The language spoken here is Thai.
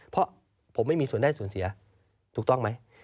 เพราะผมไม่มีส่วนได้ส่วนเสียถูกต้องไหม